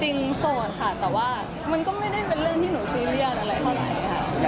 โสดค่ะแต่ว่ามันก็ไม่ได้เป็นเรื่องที่หนูซีเรียสอะไรเท่าไหร่ค่ะ